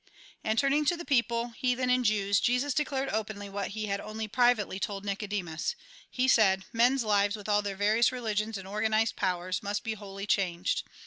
And turning to the people, heathen and Jews, Jesus declared openly what he had only privately told to Nicodemus. He said :" Men's lives, with all their various religions and organised powers, must be wholly changed.